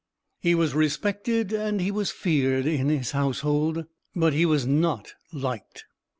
He was respected and he was feared in his household: but he was not liked.